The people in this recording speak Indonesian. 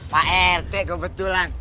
pak rt kebetulan